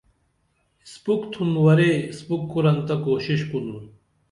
اسپُک تِھنُن ورے اسپُک کُرَن تہ کوشش کُنُن